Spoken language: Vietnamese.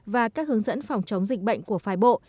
và các hướng dẫn phòng chống dịch bệnh của phái bộ